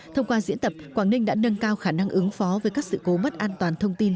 thông qua diễn tập quảng ninh đã nâng cao khả năng ứng phó với các sự cố mất an toàn thông tin